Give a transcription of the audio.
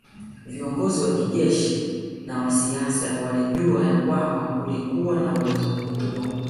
Viongozi wa kijeshi na wa kisiasa walijua ya kwamba kulikuwa na uwezo mkubwa